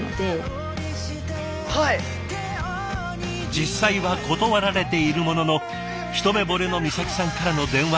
実際は断られているものの一目ボレの美咲さんからの電話。